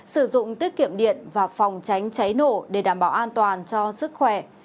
sử dụng tiết kiệm điện và phòng tránh cháy nổ để đảm bảo an toàn cho sức khỏe